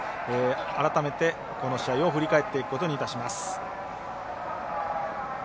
改めて、この試合を振り返っていくことにいたします。